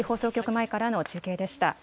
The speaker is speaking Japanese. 前からの中継でした。